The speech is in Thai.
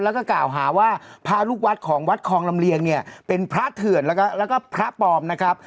แล้วก็กล่าวหาว่าพระลูกวัดของวัดคลองลำเลียงเนี่ยเป็นพระเถื่อนแล้วก็พระปลอมนะครับ